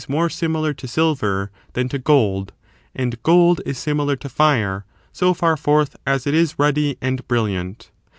261 more similar to silver than to gold, and gold is similar to fire, so far forth as it is ruddy and brilliant.